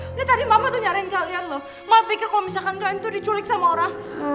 ini tadi mama tuh nyarin kalian loh mama pikir kalau misalkan kalian tuh diculik sama orang